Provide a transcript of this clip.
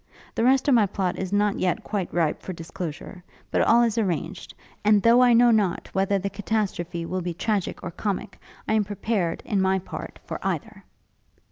The rest of my plot is not yet quite ripe for disclosure. But all is arranged. And though I know not whether the catastrophe will be tragic or comic, I am prepared in my part for either.'